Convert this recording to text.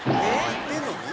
行ってるのに？